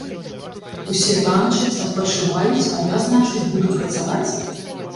Усе танчаць, адпачываюць, а я, значыць, буду працаваць?